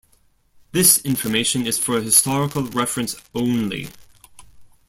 "This information is for historical reference only".